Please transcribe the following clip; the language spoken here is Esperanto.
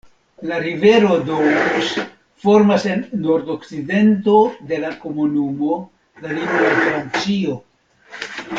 La rivero Doubs formas en nordokcidento de la komunumo la limon al Francio.